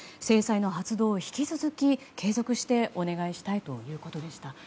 制裁の発動を引き続き継続してお願いしたいということでした。